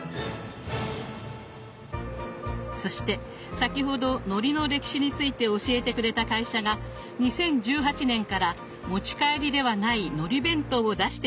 そして先ほどのりの歴史について教えてくれた会社が２０１８年から持ち帰りではないのり弁当を出しているそうです。